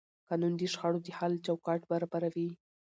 قانون د شخړو د حل چوکاټ برابروي.